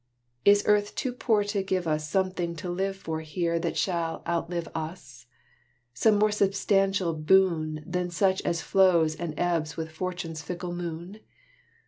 Is earth too poor to give us Something to live for here that shall outlive us? Some more substantial boon Than such as flows and ebbs with Fortune's fickle moon?